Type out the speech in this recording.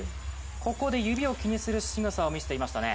ここで指を気にするしぐさを見せていましたね。